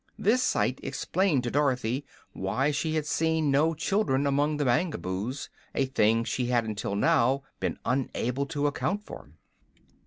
This sight explained to Dorothy why she had seen no children among the Mangaboos, a thing she had until now been unable to account for.